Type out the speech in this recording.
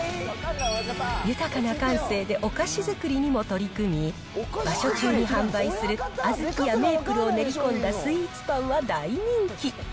豊かな感性でお菓子作りにも取り組み、場所中に販売するあずきやメープルを練り込んだスイーツパンは大人気。